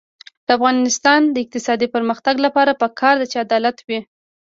د افغانستان د اقتصادي پرمختګ لپاره پکار ده چې عدالت وي.